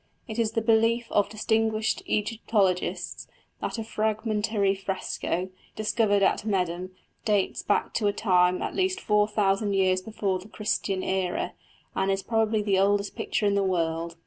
It is the belief of distinguished Egyptologists that a fragmentary fresco, discovered at Medum, dates back to a time at least four thousand years before the Christian era, and is probably the oldest picture in the world.